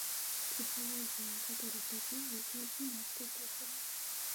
Псіхалогію некаторых людзей, якія з юнацтва слухалі.